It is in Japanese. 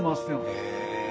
へえ。